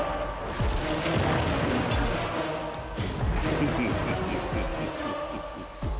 フフフフフフフ。